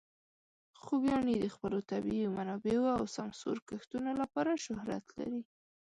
خوږیاڼي د خپلو طبیعي منابعو او سمسور کښتونو لپاره شهرت لري.